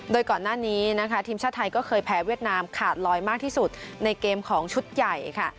โดยก่อนหน้านี้นะคะทีมชาติไทยก็เคยแพ้เวียดนามขาดลอยมากที่สุดในเกมของชุดใหญ่ค่ะ